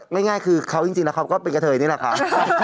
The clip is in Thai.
ในรายการมีพลังเยอะแบบเหมือนกันหรออ๋อหาหา